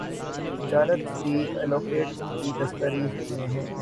اجرت فی الوقت ان کی دسترس میں نہیں